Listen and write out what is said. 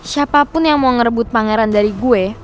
siapapun yang mau ngerebut pangeran dari gue